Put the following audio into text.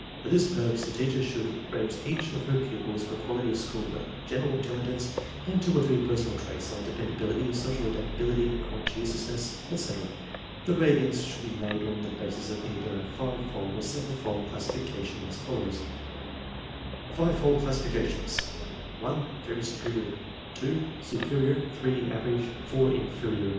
For this purpose the teacher should rate each of her pupils for quality of school work, general intelli gence, and two or three personal traits like dependa bility, social adaptability, conscientiousness, etc. The ratings should be made on the basis of either a five fold or seven fold classification, as follows: Five fold classification Seven fold classification 1. Very superior 1. Very superior $.